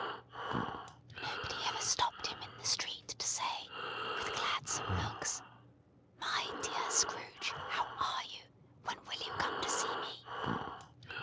Nobody ever stopped him in the street to say, with gladsome looks, "My dear Scrooge, how are you? When will you come to see me?"